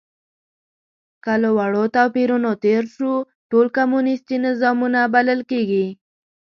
که له وړو توپیرونو تېر شو، ټول کمونیستي نظامونه بلل کېږي.